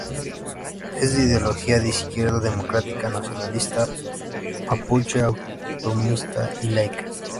Es de ideología de izquierda, democrática, nacionalista mapuche, autonomista y laica.